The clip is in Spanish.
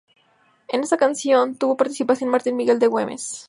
En esa acción tuvo participación Martín Miguel de Güemes.